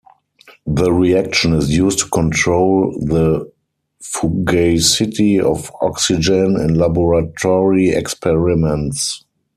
The reaction is used to control the fugacity of oxygen in laboratory experiments.